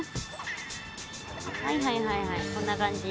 はいはいはいはいこんな感じ。